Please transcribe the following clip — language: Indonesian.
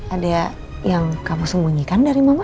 ada yang kamu sembunyikan dari mama